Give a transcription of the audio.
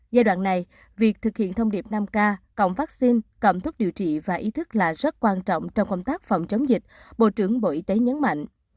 giai đoạn này việc thực hiện thông điệp năm k cộng vaccine cầm thuốc điều trị và ý thức là rất quan trọng trong công tác phòng chống dịch bộ trưởng bộ y tế nhấn mạnh